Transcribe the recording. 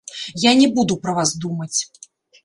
Я не буду пра вас думаць.